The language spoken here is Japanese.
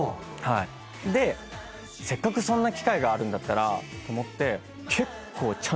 でせっかくそんな機会があるんだったらと思って。